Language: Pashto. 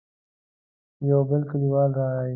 يو بل کليوال راغی.